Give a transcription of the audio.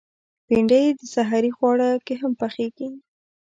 بېنډۍ د سحري خواړه کې هم پخېږي